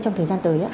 trong thời gian tới